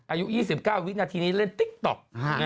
อายุ๒๙วินาทีนี้เล่นติ๊กต๊อก